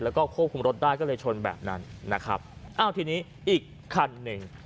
แล้วก็ควบคุมรถได้ก็เลยชนแบบนั้นนะครับอ้าวทีนี้อีกคันหนึ่ง